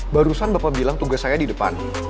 barusan bapak bilang tugas saya di depan